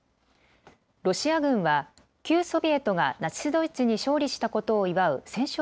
ロシア軍は旧ソビエトがナチス・ドイツに勝利したことを祝う戦勝